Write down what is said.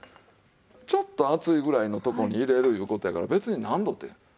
ちょっと熱いぐらいのとこに入れるいう事やから別に何度って。